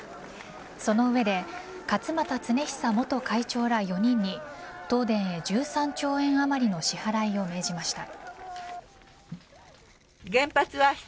その上で勝俣恒久元会長ら４人に東電へ１３兆円余りの支払いを命じました。